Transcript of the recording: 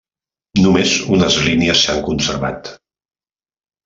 Només unes línies s'han conservat.